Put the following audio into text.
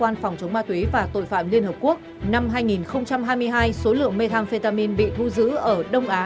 năm hai nghìn hai mươi hai số lượng methamphetamine bị thu giữ ở đông á